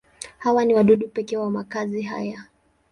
Hawa ni wadudu pekee wa makazi haya.